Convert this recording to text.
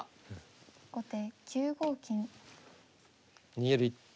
逃げる一手。